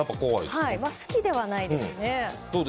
好きではないですね。